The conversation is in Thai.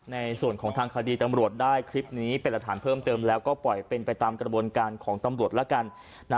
ในส่วนของทางคดีตำรวจได้คลิปนี้เป็นหลักฐานเพิ่มเติมแล้วก็ปล่อยเป็นไปตามกระบวนการของตำรวจละกัน